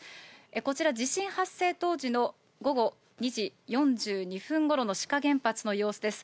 こちら、地震発生当時の午後２時４２分ごろの志賀原発の様子です。